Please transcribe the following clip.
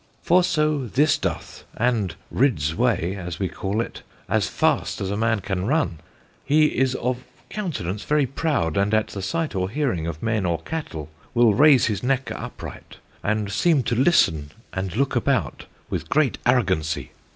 For so this doth, and rids way (as we call it) as fast as a man can run. He is of countenance very proud, and at the sight or hearing of men or cattel, will raise his necke upright, and seem to listen and looke about, with great arrogancy.